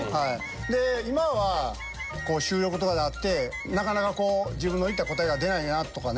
で今はこう収録とかがあってなかなかこう自分の言った答えが出ないなとかね。